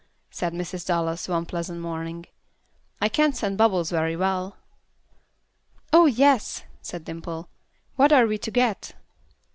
said Mrs. Dallas, one pleasant morning. "I can't send Bubbles very well." "Oh, yes," said Dimple. "What are we to get?"